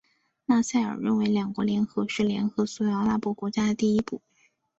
纳赛尔认为两国联合是联合所有阿拉伯国家的第一步。